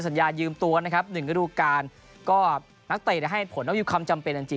สัญญายืมตัวนะครับหนึ่งฤดูการก็นักเตะให้ผลว่ามีความจำเป็นจริง